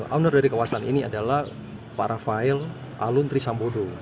owner dari kawasan ini adalah pak rafael aluntri sambodo